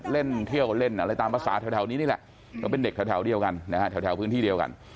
เล่นเที่ยวเล่นอะไรตามภาษาแถวนี้นี่แหละก็เป็นเด็กแถวเดียวกันนะฮะแถวพื้นที่เดียวกัน